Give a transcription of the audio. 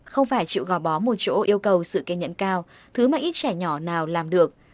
không phải chịu gò bó một chỗ yêu cầu sự kiên nhẫn cao thứ mà ít trẻ nhỏ nào làm được